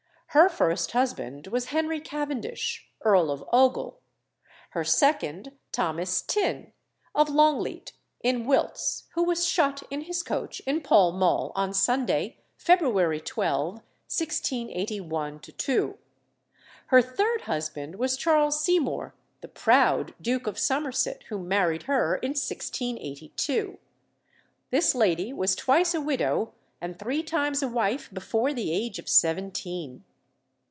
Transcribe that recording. Her first husband was Henry Cavendish, Earl of Ogle; her second, Thomas Thynne, of Longleat, in Wilts, who was shot in his coach in Pall Mall, on Sunday, February 12, 1681 2; her third husband was Charles Seymour, the proud Duke of Somerset, who married her in 1682. This lady was twice a widow and three times a wife before the age of seventeen.